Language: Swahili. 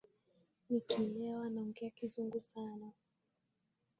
Nikilewa naongea kizungu sana